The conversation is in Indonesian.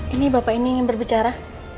ini bapak ini ingin berbicara